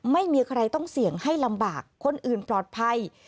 ไม่มีใครต้องเสี่ยงให้ลำบากคนอื่นปลอดภัย